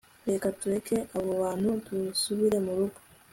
reka tureke abo bantu dusubire murugo